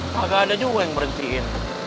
maka ada juga yang berhentiin